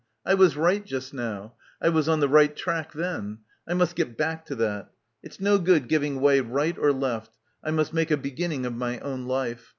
I was right just now. I was on the right track then. I must get back to that. It's no good giving way right or left; I must make a beginning of my own life.